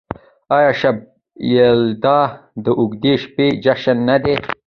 آیا شب یلدا د اوږدې شپې جشن نه دی؟